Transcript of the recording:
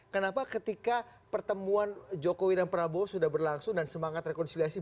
kenapa ketika pertemuan jokowi dan prabowo sudah berlangsung dan semangat rekonsiliasi